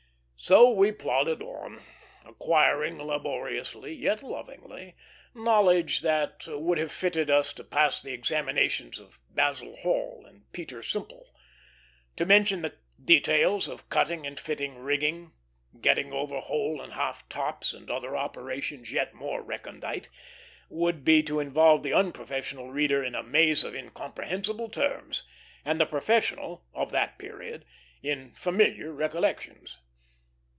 So we plodded on, acquiring laboriously, yet lovingly, knowledge that would have fitted us to pass the examinations of Basil Hall and Peter Simple. To mention the details of cutting and fitting rigging, getting over whole and half tops, and other operations yet more recondite, would be to involve the unprofessional reader in a maze of incomprehensible terms, and the professional of that period in familiar recollections.